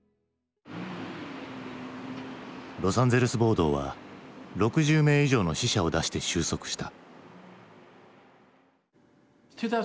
ロサンゼルス暴動は６０名以上の死者を出して終息した。